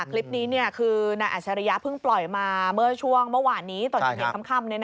คลิปนี้นายอาชียะเรืองรับปล่อยมาเมื่อช่วงเมื่อวานนี้ตอนเที่ยงค่ำ